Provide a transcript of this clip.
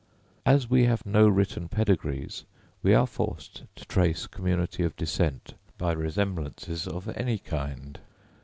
As we have no written pedigrees, we are forced to trace community of descent by resemblances of any kind.